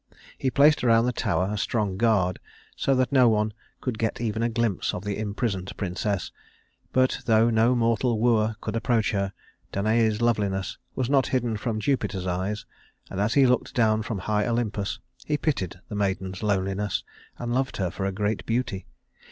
He placed around the tower a strong guard, so that no one could get even a glimpse of the imprisoned princess; but though no mortal wooer could approach her, Danaë's loveliness was not hidden from Jupiter's eyes, and as he looked down from high Olympus he pitied the maiden's loneliness and loved her for her great beauty.